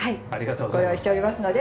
ありがとうございます。